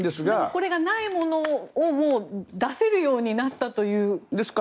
これがないものを出せるようになったということですか？